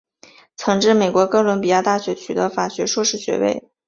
曾至美国哥伦比亚大学取得法学硕士学位。